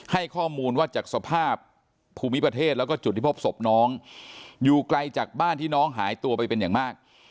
ให้ข้อมูลว่าจากสภาพภูมิประเทศแล้วก็จุดที่พบศพน้องอยู่ไกลจากบ้านที่น้องหายตัวไปเป็นอย่างมาก